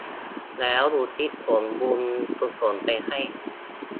แล้วอุทิศผลบุญกุศลไปให้